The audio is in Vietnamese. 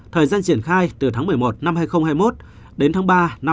thời gian triển khai từ tháng một mươi một hai nghìn hai mươi một đến tháng ba hai nghìn hai mươi hai